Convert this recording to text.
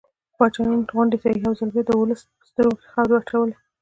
پاچا نن غونډې ته يو ځل بيا د ولس په سترګو کې خاورې واچولې.